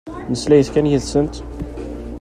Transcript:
Mmeslayet kan yid-sent.